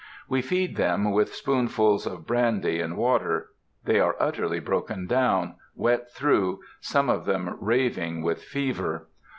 We feed them with spoonfuls of brandy and water; they are utterly broken down, wet through, some of them raving with fever.